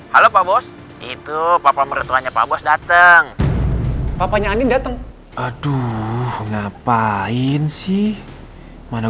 halo pak bos itu papa meretuanya pak bos dateng papanya andin dateng aduh ngapain sih mana